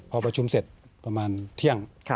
พอประชุมเสร็จประมาณเที่ยง